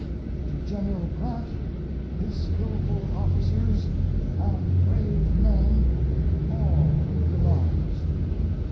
To Gen. Grant, his skilful officers, and brave men, all belongs.